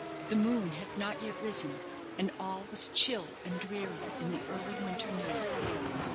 The moon had not yet risen, and all was chill and dreary in the early winter night.